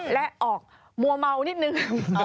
และออกมัวเมานิดนึง